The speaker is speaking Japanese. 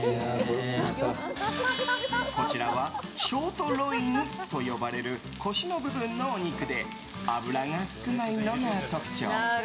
こちらはショートロインと呼ばれる腰の部分のお肉で脂が少ないのが特徴。